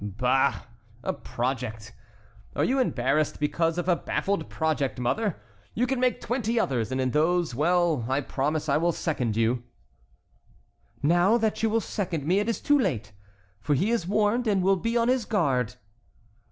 "Bah! a project. Are you embarrassed because of a baffled project, mother? You can make twenty others, and in those,—well, I promise I will second you." "Now that you will second me it is too late, for he is warned and will be on his guard."